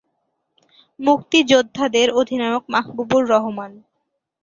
মুক্তিযোদ্ধাদের অধিনায়ক মাহবুবুর রহমান।